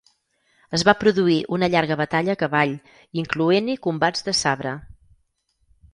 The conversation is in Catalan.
Es va produir una llarga batalla a cavall, incloent-hi combats de sabre.